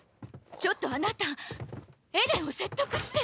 ちょっとあなたエレンを説得して！